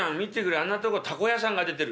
あんなとこ凧屋さんが出てる」。